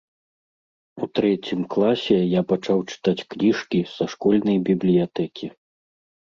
У трэцім класе я пачаў чытаць кніжкі са школьнай бібліятэкі.